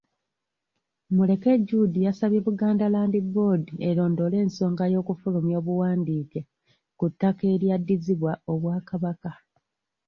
Muleke Jude yasabye Buganda Land Board erondoole ensonga y’okufulumya obuwandiike ku ttaka eryaddizibwa Obwakabaka.